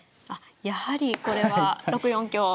あっやはりこれは６四香。